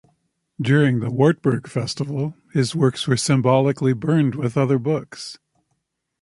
During the Wartburg Festival his works were symbolically burned with other books.